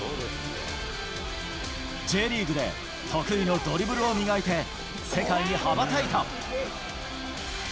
Ｊリーグで得意のドリブルを磨いて世界に羽ばたいた。